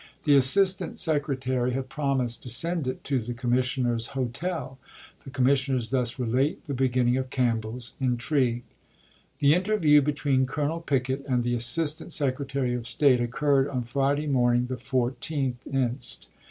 The Assistant Secretary had promised to send it to the commis sioners' hotel. The commissioners thus relate the beginning of Campbell's intrigue : The interview between Colonel Pickett and the Assist ant Secretary of State occurred on Friday morning, the 14th1 inst.